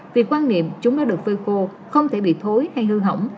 vì quan niệm chúng nó được phơi khô không thể bị thối hay hư hỏng